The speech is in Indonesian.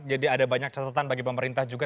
jadi ada banyak catatan bagi pemerintah juga